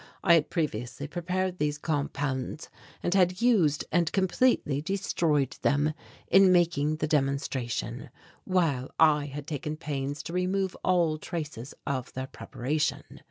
I had previously prepared these compounds and had used and completely destroyed them in making the demonstration, while I had taken pains to remove all traces of their preparation.